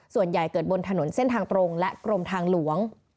ส่วนใหญ่เกิดบนถนนเส้นทางตรงและกรมทางหลวง